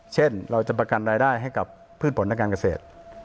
เช่นเราจะประกันรายได้ให้กับพืชผลทางการเกษตร